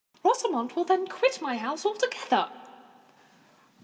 Rosamond will then quit my house altogether."